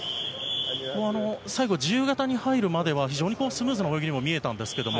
最後、自由形に入るまでは非常にスムーズな泳ぎにも見えたんですけれども。